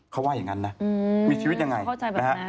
เขาว่าอย่างงั้นนะมีชีวิตอย่างไรนะครับ